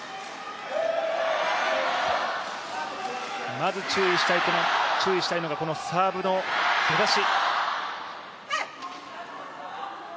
まず注意したいのがこのサーブの出だし。